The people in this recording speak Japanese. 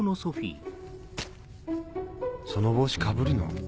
その帽子かぶるの？